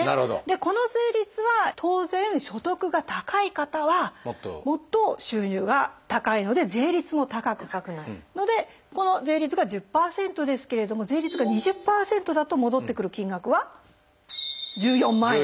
この税率は当然所得が高い方はもっと収入が高いので税率も高くなるのでこの税率が１０％ですけれども税率が２０％だと戻ってくる金額は１４万円。